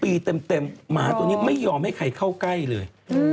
ปีเต็มหมาตัวนี้ไม่ยอมให้ใครเข้าใกล้เลย